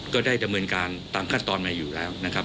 ก็ได้ดำเนินการตามขั้นตอนมาอยู่แล้วนะครับ